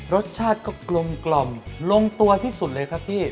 รสชาติก็กลมลงตัวที่สุดเลยครับพี่